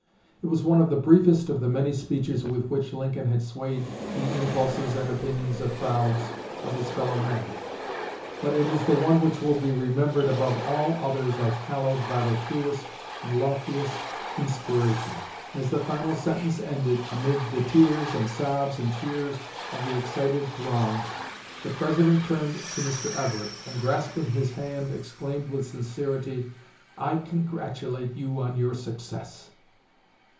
It was one of the briefest of the many speeches with which Lincoln had swayed the impulses and opinions of crowds of his fellow men, but it is the one which will be remembered above all others as hallowed by the truest and loftiest inspiration. As the final sentence ended, amid the tears and sobs and cheers of the excited throng, the President turned to Mr. Everett, and, grasping his hand, exclaimed with sincerity, "I congratulate you on your success."